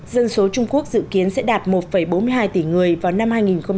dân số trung quốc dự kiến sẽ đạt một bốn mươi hai tỷ người vào năm hai nghìn hai mươi